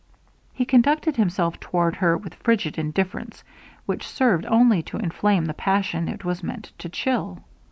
He conducted himself toward her with frigid indifference, which served only to inflame the passion it was meant to chill.